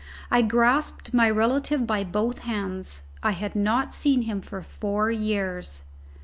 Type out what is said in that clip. I grasped my relative by both hands. I had not seen him for four years.